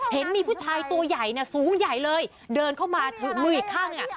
เห็นมีผู้ชายตัวใหญ่เนี่ยสูงใหญ่เลยเดินเข้ามาถือมืออีกข้างหนึ่งอ่ะ